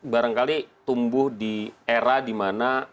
barangkali tumbuh di era di mana